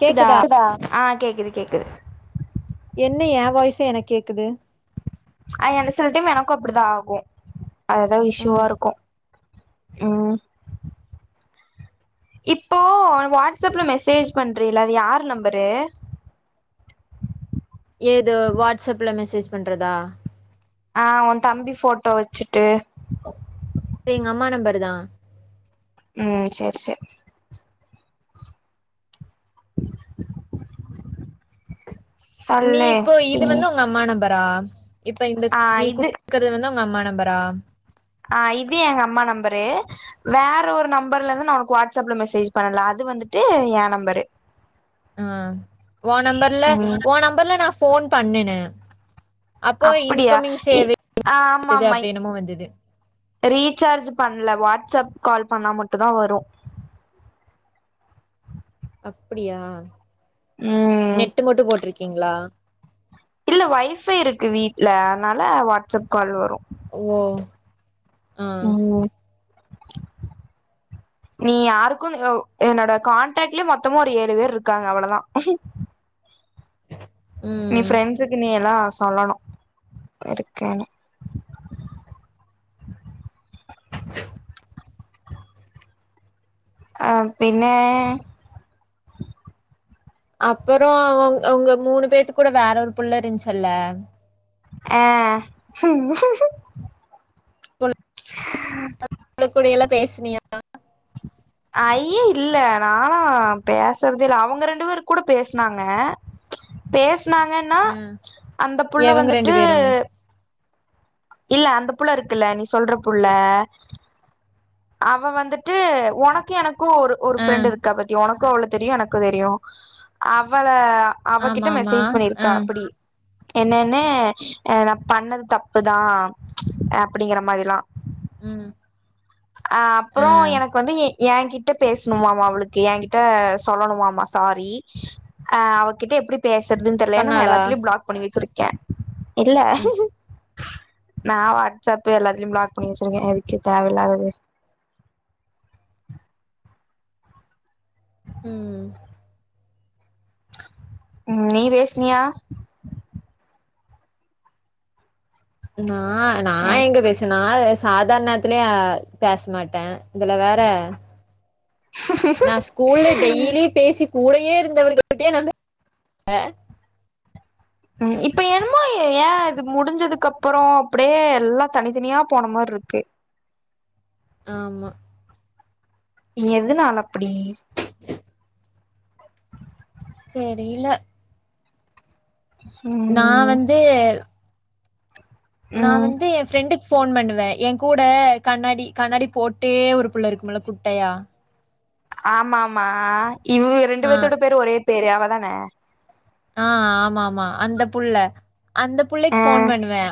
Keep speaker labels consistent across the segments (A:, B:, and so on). A: க்குதா
B: கேக்குதா
A: க்குதா ஆ கேக்குது கேக்குது
B: என்ன எ வாய்ஸே எனக்கு கேக்குது
A: அ என்ன சிலடைம் எனக்கு அப்டிதா ஆகு அதுதா
B: ம்
A: இஸ்ஸுவாருக்கு ம் இப்போ வாட்ஸ்அப்ல மெசேஜ் பண்றீல அது யார் நம்பரு
B: எது வாட்ஸ்அப்ல மெசேஜ் பண்றதா
A: ஆ உ தம்பி போட்டோ வச்சுட்டு
B: எங்கம்மா நம்பர் தா
A: ம் சரி சர்
B: நீ
A: சொல்லு
B: இப்போ இது
A: பின்
B: வந்து உங்க அம்மா நம்பரா இப்ப இந்த
A: ஆ
B: நீ
A: இது
B: குடுக்கறது வந்து உங்க அம்மா நம்பரா
A: ஆ இது எங்க அம்மா நம்பரு வேற ஒரு நம்பர்ல இருந்து நா உனக்கு வாட்ஸ்அப்ல மெசேஜ் பண்ணல அது வந்துட்டு எ நம்பரு
B: ம் ஓ நம்பர்ல
A: ம்
B: ஓ நம்பர்ல நா ஃபோன் பண்ணுன அப்போ
A: அப்டியா
B: இன்கமிங்
A: இ
B: சேவை
A: ஆமா
B: [unintelligible]
A: ஆமா
B: அப்டி என்னமோ வந்தது
A: ரீசார்ஜ் பண்ல வாட்ஸ்அப் கால் பண்ணா மட்டு தா வரு
B: அப்டியா
A: ம்
B: நெட்டு மட்டு போட்ருக்கீங்ளா
A: இல்ல ஒய்ஃபை இருக்கு வீட்ல அதனால வாட்ஸ்அப் கால் வரு
B: ஓ ஆ
A: ஓ நீ யாருக்கு ஒ என்னோட காண்டக்ட்லே மொத்தமா ஒரு ஏழு வேர் இருக்காங்க அவ்ளதா
B: ம்
A: ஃப்ரெண்ட்ஸ்க்கு நீ எல்லா சொல்லணு இருக்கேனு ஆ பின்ன
B: அப்புறோ உங் உங்க மூணு பேத்து கூட வேற ஒரு புள்ள இருஞ்ச்சுல்ல
A: அ
B: அவங்க கூட எல்லா பேசுனியா
A: ஐய இல்ல நாலா பசுறதே இல்ல அவங்க ரெண்டு பேரு கூட பேஸ்னாங்க பேஸ்னாங்கன்னா
B: ம்
A: அந்த புள்ள
B: எவங்க ரெண்டு
A: வந்துட்டு
B: பேரும்
A: இல்ல அந்த புள்ள இருக்குல்ல நீ சொல்ற புள்ள அவ வந்துட்டு ஒனக்கு எனக்கு ஒரு ஒரு
B: ஆ
A: ஃபிரெண்டு இருக்கா பத் தி ஒனக்கு அவள தெரியு எனக்கு தெரியு அவள
B: ஆமா
A: அவகிட்ட
B: ஆமா
A: மெசேஜ்
B: ஆ
A: பண்ணிருக்கா பிடி என்னென்னெ நா பண்ணது தப்பு தா அப்டிங்கற மாதிலா
B: ம்
A: ஆ அப்ரோ எனக்கு வந்து எ ய கிட்ட பேசணுமாமா அவளுக்கு ய கிட்ட சொல்லணுமாமா சாரி அ அவகிட்ட எப்டிப் பசறதுன் தெர்ல ஏன்னா நா
B: சொன்னாளா
A: எல்லாத்திலயு ப்ளாக் பண்ணி வச்சிருக்க இல்ல
B: ம் ம்
A: நா வாட்ஸ்அப்பு எல்லாத்திலயு ப்ளாக் பண்ணி வச்சிருக்க எதுக்கு தேவயில்லாத
B: ம்
A: ம் நீ் பேசுனியா
B: நா நா எங்க பேச நா பேச சாதாரணத்துலயே பசமாட்டே இதுல வற நா ஸ்கூல்ல டெய்லி பேசி கூடையே இருந்தவளுக கிட்டையே நானு [unintelligible]
A: ம் இப்ப என்னமோ ஏ இது முடிஞ்சதுக்கு அப்றோ அப்டியே எல்லா தனித்தனியா போன மாரி இருக்கு
B: ஆமா
A: எதுனால அப்டி
B: தெரில
A: ம்
B: நா வந்து நா
A: ம்
B: வந்து ஏ ஃப்ரெண்டுக்கு போன் பண்ணுவே எங் கூட கண்ணாடி கண்ணாடி போட்டே ஒரு புள்ள இருக்குமல்ல குட்டையா
A: ஆமாம்மா ஆ இவ ரெண்டு
B: ஆ
A: பேர்த்தோட பேரு ஒரே பேரு அவதான
B: ஆ ஆமா ஆமா அந்த புள்ள அந்த புள்ளிக்கு
A: ஆ
B: போன் பண்ணுவே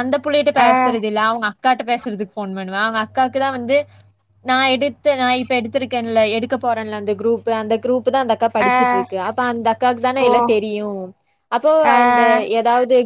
B: அந்த புள்ள கிட்ட
A: ஆ
B: பேசுறதுதில்ல அவங்க அக்கா கிட்ட பேசுறதுக்கு போன் பண்ணுவ அவங்க அக்காவுக்கு தா வந்து நா எடுத்து நா இப்ப எடுத்திருக்கேன்ல எடுக்க போறேன்ல அந்த குரூப்பு அந்த குரூப்பு தா அந்தக் அக்கா
A: ஆ
B: படிச்சுட்டுருக்கு அப்ப அந்த அக்காவுக்கு தான
A: ஓ
B: எல்லா தெரியு அப்போ
A: ஆ
B: அந்த எதாவது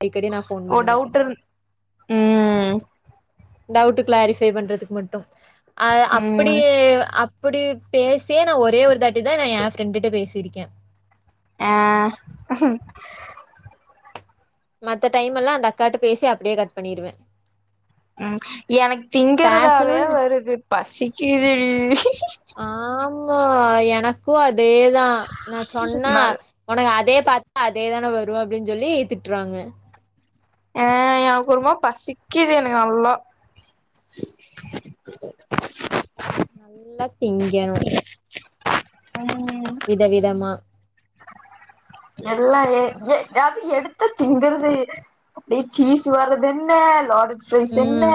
B: அடிக்கடி நா ஃபே
A: ஓ டவுட் இருந் ம்
B: டவுட்டு க்ளாரிஃபை பண்றதுக்கு மட்டு ஆ அப்பிடி
A: ம்
B: அப்பிடி பேசியே நா ஒரே ஒரு தாட்டி தா நா ஏ ஃப்ரெண்டிட்ட பேசிருக்கே
A: ஆ
B: மத்த டைம் எல்லா அந்த அக்காட்ட பேசி அப்டியே கட் பண்ணிடுவே
A: ம் எனக்கு திங்கிறதாவே
B: பேசணும்னு
A: வருது பசிக்குது டீ
B: ஆமா எனக்கு அதேதா நா சொன்னா
A: நல்
B: உனக்கு அதே பாத்தா அதே தானே வரு அப்டின்னு சொல்லி திட்றாங்க
A: ஆ எனக்கு ஒரு மாரி பசிக்குது எனக்கு நல்லா
B: நல்லா திங்கணு
A: ம்
B: விதவிதமா
A: எல்லா [unintelligible] எதாவது எடுத்து திங்கற்துளே இரு அப்டியே சீஸ் வரறது என்ன லோடேட் ஃப்ரைஸ் என்ன
B: ம்.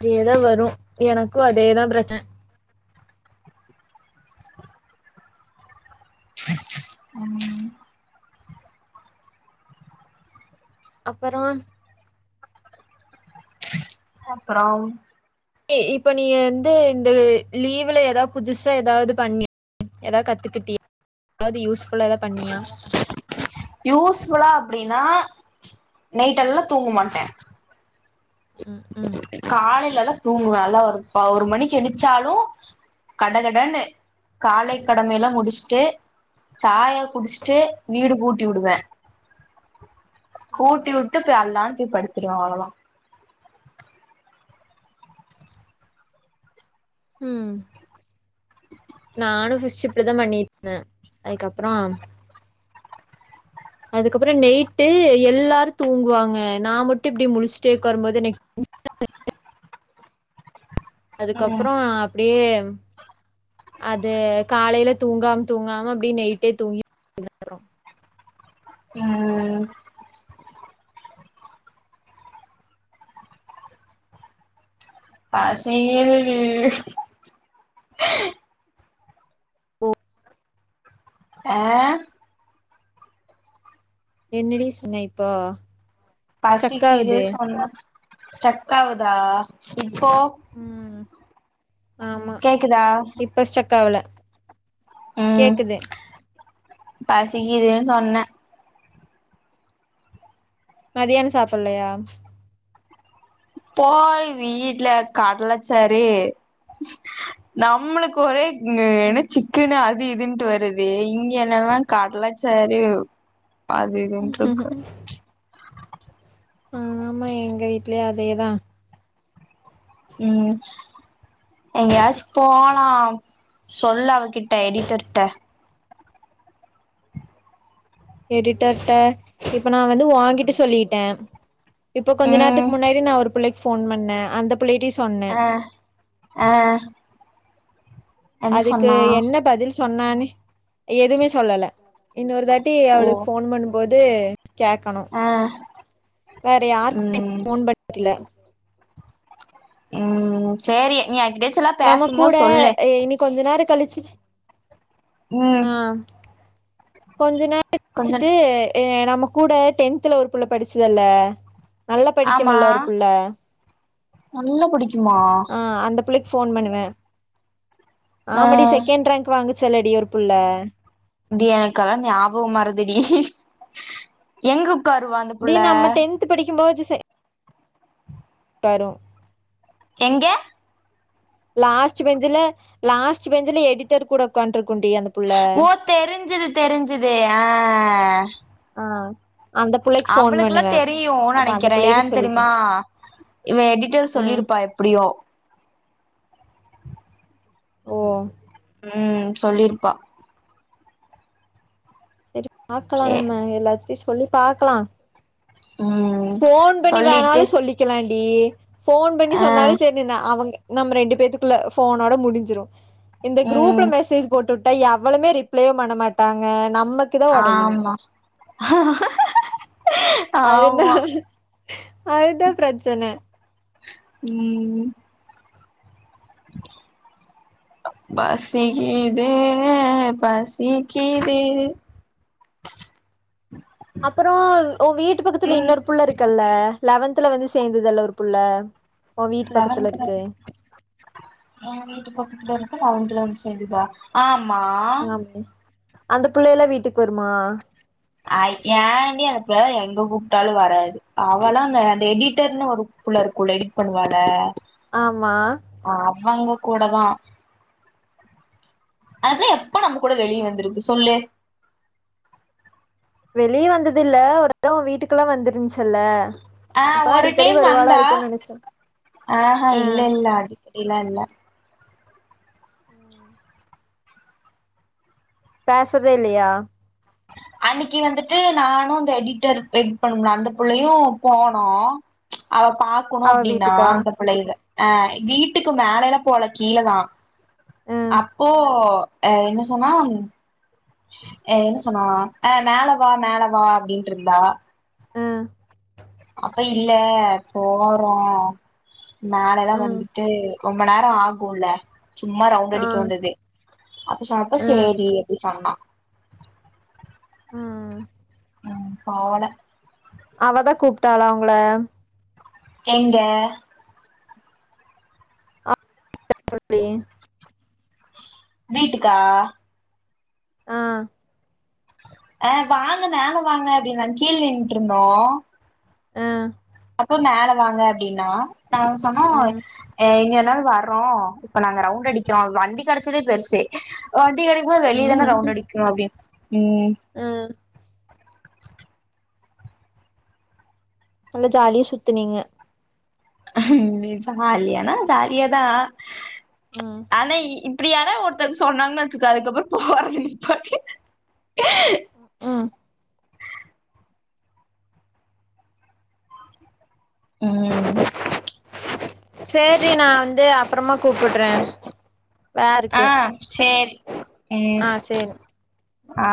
B: அதே தா வரு எனக்கு அதேதா பிரச்சன
A: ம்
B: அப்பறோ
A: அப்பறம்
B: ஏ இப்ப நீ வந்து இந்த லீவுல எதாவது புதுசா எதாவது பண்ணி எதாவது கத்துக்கிட்டி எதாவது யூஸ்ஃபுல்லா பண்ணியா
A: யூஸ் ஃபுல்லா அப்டின்னா நைட்
B: ம்.
A: எல்லா தூங்க மாட்ட
B: ம். ம்.
A: காலையிலாதா தூங்குவ நல்லா ஒரு ஒரு மணிக்கு எணிச்சாலு கடகடன்னு காலை கடமையெல்லா முடிச்சுட்டு சாய முடிசிட்டு வீடு
B: ம்.
A: கூட்டி விடுவே
B: ம்.
A: கூட்டி வுட்டு போய் அல்லானு போய் படுத்துருவ அவ்ளோதா
B: ம் நானு ஃபிஸ்ட்டு இப்டிதா பண்ணிருந்த அதுக்கப்றோ அதுக்கப்பற நைட்டு எல்லாரு தூங்குவாங்க நா மட்டும் இப்டி முலிச்ட்டே உக்காரும் போது எனக்
A: ம்
B: அதுக்கப்புறோ அப் அப்டியே அது காலையில தூங்காம் தூங்காம அப்டியே நைட்டே தூங்கி அப்புறோ
A: ஆ பசியே இல்
B: போ
A: ஆ
B: என்னடி சொன்ன இப்போ ஸ்டக்
A: பசிக்கிது
B: ஆவுது
A: சொன்ன ஸ்டக் ஆவுதா இப்போ
B: ம் ஆமா
A: கேக்குதா
B: இப்ப ஸ்டக் ஆவல
A: ம்
B: கேக்குது
A: பசிக்குதுன் சொன்ன
B: மதியான சாப்ட்லையா
A: போய் வீட்ல கடலச்சரி நம்ளுக் [unintelligible] என்ன
B: ம்
A: சிக்குன்னு அது இதுன்னட்டு வருது அது இங்க என்னல்லா கடல சாரு அது
B: ம்
A: இதுன்ட்ருக்கு
B: ஆமா எங்க வீட்லயு அதேதா
A: ம் எங்கயாச்சு போலாம் சொல் அவகிட்ட எடிட்டர்ட்ட
B: எடிடர்ட் இப்ப நா வந்து ஓங்கிட்ட சொல்லிட்ட இப்ப கொஞ்ச நேரத்துக்கு
A: ம்
B: முன்னாடி நா ஒரு புள்ளைக்கு போன் பண்ண அந்த புள்ளைட்டையு சொன்
A: ஆ ஆ என்ன
B: அதுக்கு
A: சொன்னா
B: என்ன பதில் சொன்னானு எதுமே சொல்லல இன்னொரு தாட்டி
A: ஓ
B: அவளுக்கு ஃபோன் பண்ணும்போது கேக்கணு
A: ஆ
B: வேற யாருக்குமே
A: ம்
B: போன் பட்ல
A: ம் சேரி நீ யார்கிட்டயாச்சு
B: நம்ம கூட எ இனி கொஞ்ச நேர கழுச்சு
A: ம்
B: கொஞ்ச நே [unintelligible]
A: கொஞ்ச
B: சுட்டு நம்ம கூட டென்த்ல ஒரு புள்ள படுச்சுதல்ல நல்லா
A: ஆமா
B: படிக்குமல்ல ஒரு புள்ள
A: நல்லா புடிக்குமா
B: ஆ அந்த பிள்ளைக்கு ஃபோன் பண்ணுவே
A: ஆ
B: ஆமடி செகண்ட் ரேங்க் வாங்குச்சுல்லடி ஒரு புள்ள
A: அப்டியா எனக்கெலா ஞாபக மரதிடி எங்க உக்காருவா‌ அந்த புள்ள
B: த்து படிக்கும்போது செ டரு
A: எங்க
B: லாஸ்ட்டு பெஞ்சுல லாஸ்ட்டு பெஞ்சுல எடிட்டர் கூட ஒக்காண்ருக்குண்டி அந்த புள்ள
A: ஓ தெரிஞ்சுது தெரிஞ்சுது ஆ
B: ஆ அந்த புள்ளைக்கு ஃபோன்
A: அவளுக்குலா
B: பண்ணுவே
A: தெரியு ஓ
B: அப்ப அந்த
A: நெனக்கிறே ஏ
B: புள்ளைகிட்ட
A: தெரியுமா
B: சொல்லிருக்கே
A: இவ எடிட்டர்
B: ஆ
A: சொல்லிருப்பா எப்டியு
B: ஓ
A: ம் சொல்லிருப்பா
B: செரி பாக்கலா
A: சே
B: நம்ம எல்லாத்டையு சொல்லி பாக்கலா
A: ம்
B: ஃபோன் பண்ணி
A: சொல்லிட்டு
B: வேணாலு சொல்லிக்கலாண்டி ஃபோன் பண்ணி
A: ஆ
B: சொன்னாலு சேரின்னு அவங்க நம்ம ரெண்டு பேத்துக்குள்ள ஃபோனோட முடுஞ்சுரும் இந்த குரூப்ல
A: ம்
B: மெசேஜ் போட்டுட் டா எவளுமே ரிப்ளேயு பண்ண மாட்டாங்க நம்மக்
A: ஆமா
B: அதுனா
A: ஆமா
B: அதுதா பிரச்சன
A: ம் பசிக்கிதே பசிக்கிது
B: அப்பறோ ஒன் வீட்டுப் பக்கத்துல இன்னொரு புள்ள இருக்குல்ல லெவன்த்துல வந்து சேந்ததுல்ல ஒரு புள்ள உ வீட்டு பக்கத்துல
A: லெவன்த்ல
B: இருக்கு
A: வந்து ஏ வீட்டு பக்கத்துல இருக்க லெவன்த்ல வந்து சேந்துதா ஆமா
B: எல்லாமே அந்தப் புள்ளைலா வீட்டுக்கு வருமா
A: அயு ஏண்டி அந்த பிள்ள எங்க கூப்ட்டாலு வராது அவல்லா அங்க அந்த எடிட்டர்னு ஒரு புள்ள இருக்குல்ல எடிட் பண்ணுவால்ல
B: ஆமா
A: அவங்க கூட தா அது எப்ப நம்ம கூட வெளிய
B: ம்
A: வந்துருக்கு சொல்லு
B: வெளிய வந்ததில்ல ஒரு தடவ வீட்டுக்குலா வந்துருந்துச்சுல
A: ஆ ஒரு டைம் வந்தா ஆஹ
B: ஆ
A: இல்லல்ல அடிக்கடிலா இல்ல
B: உஹம் பேசதே இல்லையா
A: அன்னிக்கு வந்துட்டு நானு அந்த எடிட்டர் எடிட் பண்ணும்ல அந்த புள்ளையு போனோ அவ பாக்கணு
B: அவ
A: அப்டின்னா
B: வீட்டுக்கா
A: அந்த பிள்ளைகள ஆ வீட்டுக்கு மேலலா போல கீழதா
B: ஆ
A: அப்போ ஆ என்ன சொன்னா ஆ என்ன சொன்னா ஆ மேல வா மேல வா அப்டின்ட்டு இருந்தா
B: ம்
A: அப்ப இல்ல போறோ மேலலா
B: ம்
A: வந்துட்டு ரொம்ப நேர ஆகுல்ல சும்மா ரவுண்டு
B: ஆ
A: அடிக்கு வந்தது அப்ப சொன்னப்ப
B: ஆ
A: சேரி அப்டி சொன்னா
B: ம்
A: ம் பரவால
B: அவதா கூப்ட்டாளா உங்கள
A: எங்க
B: [inaudible] சொல்
A: வீட்டுக்கா
B: ஆ
A: ஆ வாங்க மேல வாங்க அப்டின்ன கீழ் நின்ட்டு இருந்தோ
B: ஆ
A: அப்போ மேல வாங்க அப்டின்னா நாங்க சொன்னோ
B: ம்
A: ஆஎங்கனாலு வர்றோ இப்ப நாங்க ரவுண்டடிக்கிறோ வண்டி கெடச்சதே பெருசே வண்டி கெடக்கும்போது வெளிய தான
B: ம்
A: ரவுண்டு அடி இங்கு அப்டின்னு ம்
B: ம் நல்லா ஜாலியா சுத்துனீங்க
A: ம் ஜாலியான ஜாலியாதா
B: ம்
A: ஆனா இப் இப்டி யாராது ஒருத்தங்க வந்து சொன்னாங்கன்னு வச்சிக்கோ அதுக்கப்புற போறது நிப்பாட்டிருவ
B: ஆ
A: ஆஹ்
B: சேரி நா வந்து அப்றமா கூப்பட்றே
A: ஆ சேரி உம்
B: ஆ சேரி
A: ஆ